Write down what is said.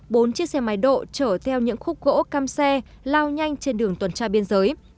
bốn chiếc xe máy độ chở theo những khúc gỗ cam xe lao nhanh trên đường tuần tra biên giới